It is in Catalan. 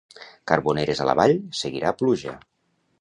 Carboneres a la vall, seguirà pluja.